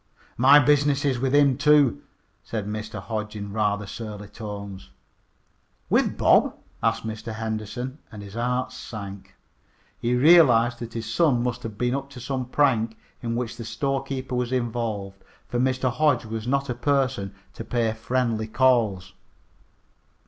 "My business is with him, too," said Mr. Hodge in rather surly tones. "With Bob?" asked Mr. Henderson, and his heart sank. He realized that his son must have been up to some prank in which the storekeeper was involved, for Mr. Hodge was not a person to pay friendly calls.